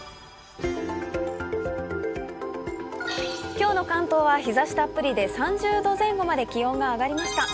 今日の関東は日ざしたっぷりで３０度前後まで気温が上がりました。